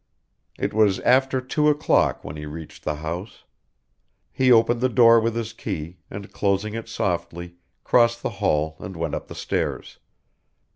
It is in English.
It was after two o'clock when he reached the house. He opened the door with his key and closing it softly, crossed the hall and went up the stairs.